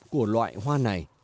của loại hoa này